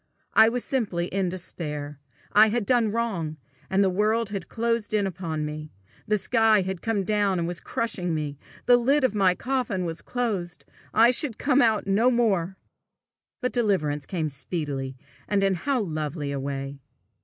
I was simply in despair. I had done wrong, and the world had closed in upon me; the sky had come down and was crushing me! The lid of my coffin was closed! I should come no more out! But deliverance came speedily and in how lovely a way!